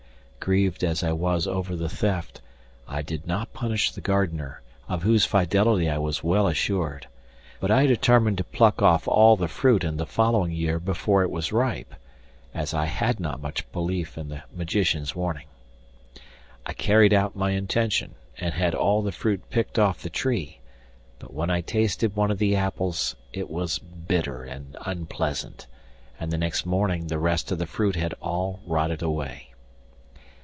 'Grieved as I was over the theft, I did not punish the gardener, of whose fidelity I was well assured, but I determined to pluck off all the fruit in the following year before it was ripe, as I had not much belief in the magician's warning. 'I carried out my intention, and had all the fruit picked off the tree, but when I tasted one of the apples it was bitter and unpleasant, and the next morning the rest of the fruit had all rotted away.